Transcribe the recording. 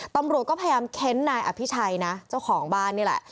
ตำรวจก็พยายามเค้นนายอภิชัยนะเจ้าของบ้านนี่แหละ